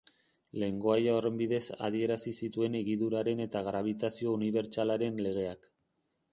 Lengoaia horren bidez adierazi zituen higiduraren eta grabitazio unibertsalaren legeak.